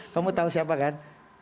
kamu tahu siapa kan